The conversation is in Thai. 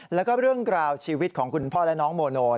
แล้วก็เรื่องราวชีวิตของคุณพ่อและน้องโมโน